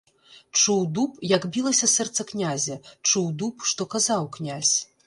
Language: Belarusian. Чуў дуб, як білася сэрца князя, чуў дуб, што казаў князь.